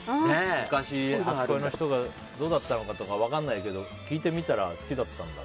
昔、初恋の人がどうだったのかとか分からないけど聞いてみたら好きだったんだって。